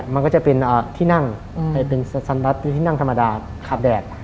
มันก็จะเป็นที่นั่งเป็นที่นั่งธรรมดาขาบแดด